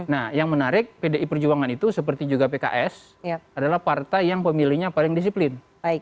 nah yang menarik pdi perjuangan itu seperti juga pks adalah partai yang pemilihnya paling disiplin